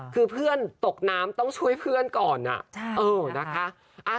คือเพื่อนตกน้ำต้องช่วยเพื่อนก่อนนะคะ